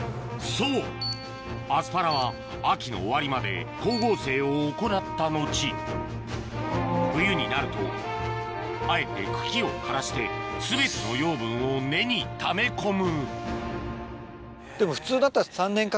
そうアスパラは秋の終わりまで光合成を行った後冬になるとあえて茎を枯らして全ての養分を根にため込むでも。